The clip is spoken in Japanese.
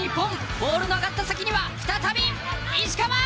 ボールの上がった先には再び石川。